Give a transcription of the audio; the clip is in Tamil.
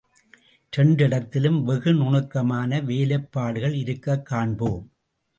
இரண்டிடத்திலும் வெகு நுணுக்கமான வேலைப்பாடுகள் இருக்கக் காண்போம்.